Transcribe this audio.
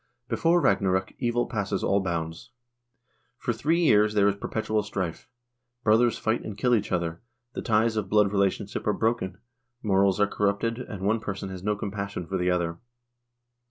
Before Ragnarok evil passes all bounds. For three years there is perpetual strife. Brothers fight and kill each other, the ties of blood relationship are broken, morals are corrupted, and one person has no compassion for the other.